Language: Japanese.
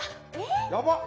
やばっ！